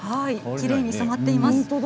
きれいに染まっています。